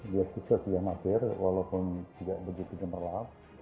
dia sesia amatir walaupun tidak begitu jemerlang